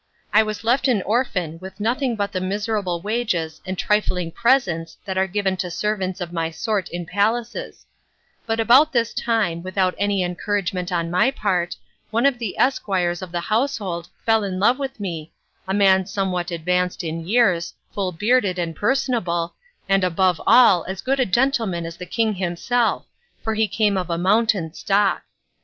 I was left an orphan with nothing but the miserable wages and trifling presents that are given to servants of my sort in palaces; but about this time, without any encouragement on my part, one of the esquires of the household fell in love with me, a man somewhat advanced in years, full bearded and personable, and above all as good a gentleman as the king himself, for he came of a mountain stock.